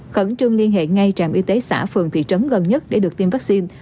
khẩn trương liên hệ ngay trạm y tế xã phường thị trấn gần nhất để được tiêm vaccine